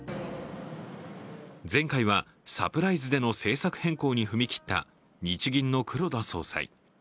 前回はサプライズでの政策変更に踏み切った日銀の黒田総裁。